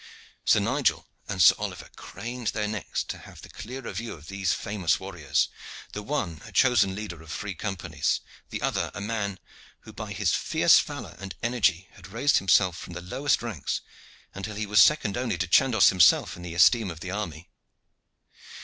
Sir Nigel and Sir Oliver craned their necks to have the clearer view of these famous warriors, the one a chosen leader of free companies, the other a man who by his fierce valor and energy had raised himself from the lowest ranks until he was second only to Chandos himself in the esteem of the army.